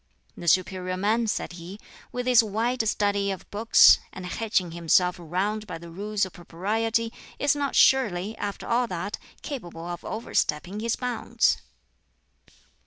"The superior man," said he, "with his wide study of books, and hedging himself round by the Rules of Propriety, is not surely, after all that, capable of overstepping his bounds."